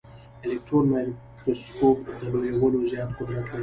الکټرون مایکروسکوپ د لویولو زیات قدرت لري.